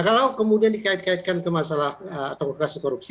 kalau kemudian dikait kaitkan ke masalah atau kasus korupsi